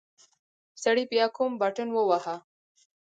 سړي بيا کوم بټن وواهه.